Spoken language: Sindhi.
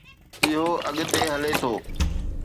اهو اڳتي هلي ٿو.